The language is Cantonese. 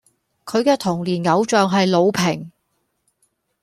佢既童年偶像係魯平